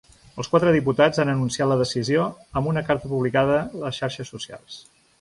Els quatre diputats han anunciat la decisió amb una carta publicada les xarxes socials.